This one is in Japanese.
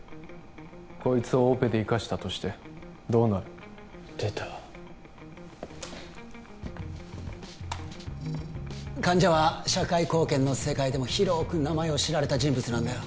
こいつをオペで生かしたとしてどうなる出た患者は社会貢献の世界でも広く名前を知られた人物なんだよ